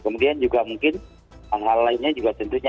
kemudian juga mungkin hal hal lainnya juga tentunya